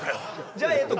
じゃあえっと